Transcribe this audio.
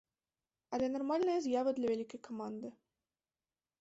Але нармальная з'ява для вялікай каманды.